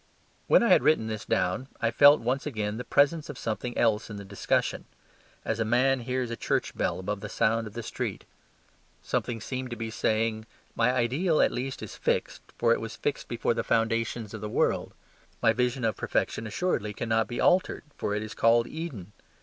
When I had written this down, I felt once again the presence of something else in the discussion: as a man hears a church bell above the sound of the street. Something seemed to be saying, "My ideal at least is fixed; for it was fixed before the foundations of the world. My vision of perfection assuredly cannot be altered; for it is called Eden.